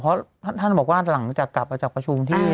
เพราะท่านบอกว่าหลังจากกลับมาจากประชุมที่